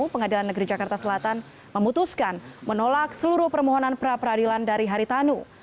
pengadilan negeri jakarta selatan memutuskan menolak seluruh permohonan pra peradilan dari haritanu